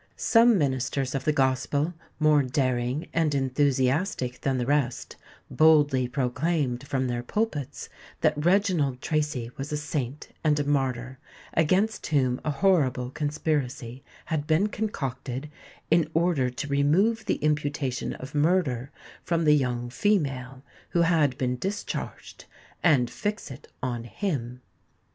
Some ministers of the gospel, more daring and enthusiastic than the rest, boldly proclaimed from their pulpits that Reginald Tracy was a saint and a martyr, against whom a horrible conspiracy had been concocted in order to remove the imputation of murder from the young female who had been discharged, and fix it on him.